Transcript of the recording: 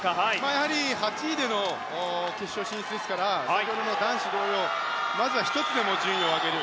やはり８位での決勝進出ですから先ほどの男子同様まずは１つでも順位を上げる。